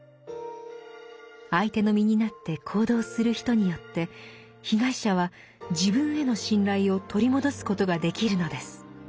相手の身になって行動する人によって被害者は自分への信頼を取り戻すことができるのです。